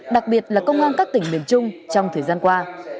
đặc biệt là công an các tỉnh miền trung trong thời gian qua